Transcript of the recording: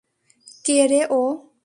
কে রে ও?